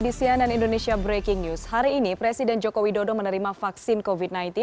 di cnn indonesia breaking news hari ini presiden joko widodo menerima vaksin covid sembilan belas